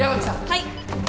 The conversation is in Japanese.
はい。